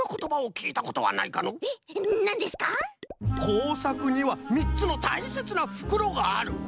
こうさくにはみっつのたいせつなふくろがある。